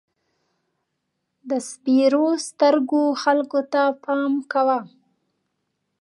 د سپېرو سترګو خلکو ته پام کوه.